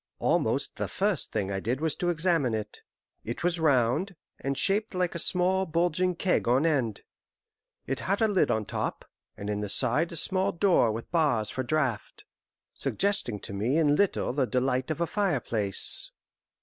Almost the first thing I did was to examine it. It was round, and shaped like a small bulging keg on end. It had a lid on top, and in the side a small door with bars for draught, suggesting to me in little the delight of a fireplace.